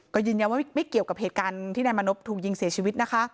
ก็ยืนยันว่าไม่เกี่ยวกับเหตุการณ์ที่นายมานพถูกยิงเสียชีวิตนะคะ